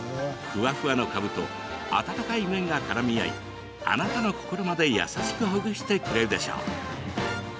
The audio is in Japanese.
ふわふわの、かぶと温かい麺がからみ合いあなたの心まで優しくほぐしてくれるでしょう。